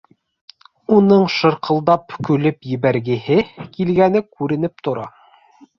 Уның шарҡылдап көлөп ебәргеһе килгәне күренеп тора.